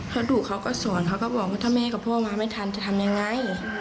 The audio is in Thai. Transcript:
เขาดุเขาก็สอนเขาก็บอกว่าถ้าแม่กับพ่อมาไม่ทันจะทำยังไง